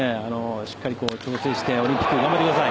しっかり調整して、オリンピック頑張ってください。